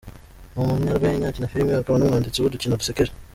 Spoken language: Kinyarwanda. Ni umunyarwenya, akina filime akaba n’umwanditsi w’udukino dusekeje.